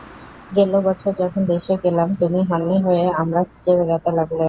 গেল বছর যখন দেশে গেলাম তুমি হন্যে হয়ে আমড়া খুঁজে বেড়াতে লাগলে।